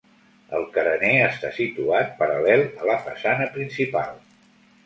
El carener està situat paral·lel a la façana principal.